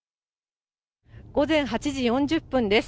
午前８時４０分です。